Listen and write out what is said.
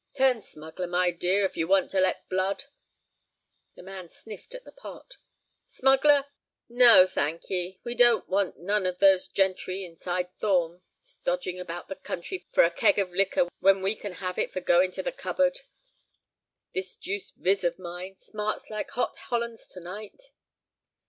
"Turn smuggler, my dear, if you want to let blood." The man sniffed at the pot. "Smuggler? No, thank ye; we don't want none of those gentry inside Thorn. Stodging about the country for a keg of liquor when we can have it for going to the cupboard! This deuced viz of mine smarts like hot Hollands to night."